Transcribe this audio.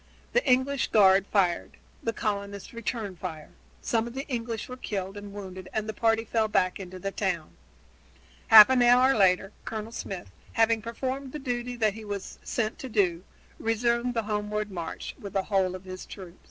The English guard fired; the colonists returned the fire. Some of the English were killed and wounded and the party fell back into the town. Half an hour later Colonel Smith, having performed the duty that he was sent to do, resumed the homeward march with the whole of his troops.